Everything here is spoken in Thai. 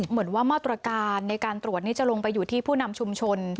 เหมือนว่ามาตรการในการตรวจนี้จะลงไปอยู่ที่ผู้นำชุมชน